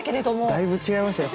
だいぶ違いましたね。